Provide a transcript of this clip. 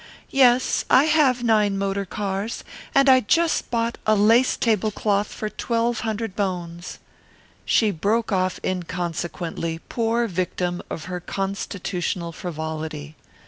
Yes, I have nine motor cars, and I just bought a lace tablecloth for twelve hundred bones " She broke off inconsequently, poor victim of her constitutional frivolity.